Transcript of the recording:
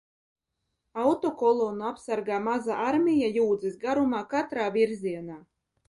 Autokolonnu apsargā maza armija jūdzes garumā katrā virzienā?